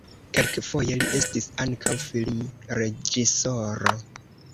Kelkfoje li estis ankaŭ filmreĝisoro.